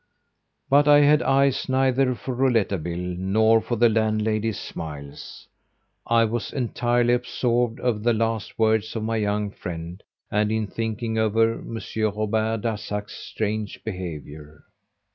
But I had eyes neither for Rouletabille nor for the landlady's smiles. I was entirely absorbed over the last words of my young friend and in thinking over Monsieur Robert Darzac's strange behaviour.